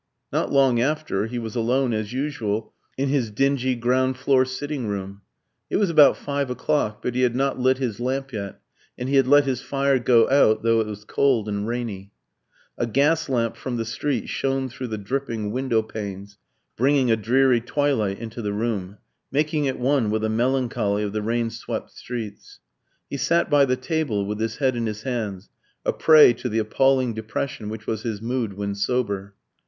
Not long after, he was alone, as usual, in his dingy ground floor sitting room. It was about five o'clock; but he had not lit his lamp yet, and he had let his fire go out, though it was cold and rainy. A gas lamp from the street shone through the dripping window panes, bringing a dreary twilight into the room, making it one with the melancholy of the rain swept streets. He sat by the table, with his head in his hands, a prey to the appalling depression which was his mood when sober.